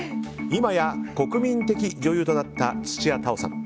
今や国民的女優となった土屋太鳳さん。